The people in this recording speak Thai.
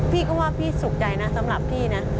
พี่ก็ว่าพี่สุขใจนะสำหรับพี่นะ